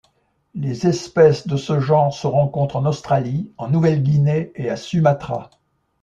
Les espèces de ce genre se rencontrent en Australie, en Nouvelle-Guinée et à Sumatra.